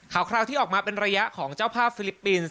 คราวที่ออกมาเป็นระยะของเจ้าภาพฟิลิปปินส์